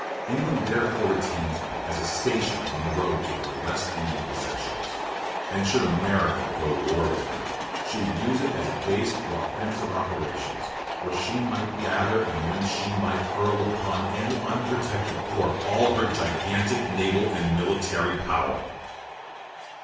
England therefore retains them as a station on the road to her West Indian possessions; and should America go to war with her, she would use it as a base for offensive operations, where she might gather and whence she might hurl upon any unprotected port all her gigantic naval and military power.